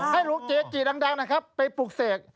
ให้หลุงเจ๋กดังนะครับไปปลูกเสก